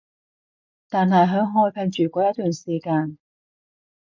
但係響開平住過一段時間